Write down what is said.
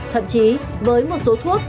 thậm chí với một số thuốc